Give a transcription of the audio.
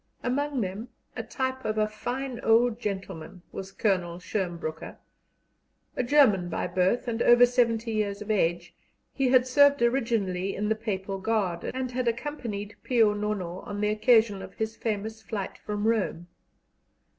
Among them, a type of a fine old gentleman, was Colonel Schermbrucker. A German by birth, and over seventy years of age, he had served originally in the Papal Guard, and had accompanied Pio Nono on the occasion of his famous flight from Rome.